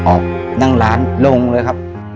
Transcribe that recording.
ออกนั่งร้านลงเลยครับ